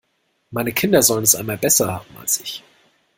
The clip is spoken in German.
Meine Kinder sollen es einmal besser haben als ich.